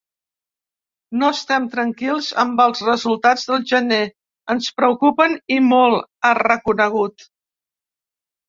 “No estem tranquils amb els resultats del gener; ens preocupen i molt”, ha reconegut.